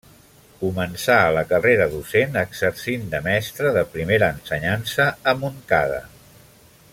Començà la carrera docent exercint de mestre de primera ensenyança a Montcada.